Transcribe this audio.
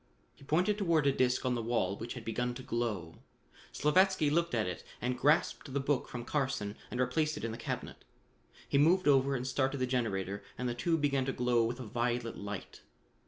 He pointed toward a disc on the wall which had begun to glow. Slavatsky looked at it and grasped the book from Carson and replaced it in the cabinet. He moved over and started the generator and the tube began to glow with a violet light.